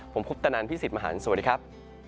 ผมคุปตะนันพี่ศิษย์มหารสวัสดีครับ